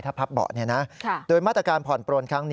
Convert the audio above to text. ถ้าพับเบาะโดยมาตรการผ่อนปลง